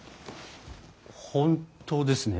本当ですね